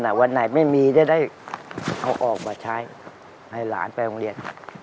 วันไหนไม่มีจะได้เอาออกมาใช้ให้หลานไปโรงเรียน